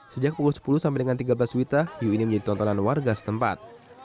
sejak pukul sepuluh sampai dengan tiga belas wita hiu ini menjadi tontonan warga setempat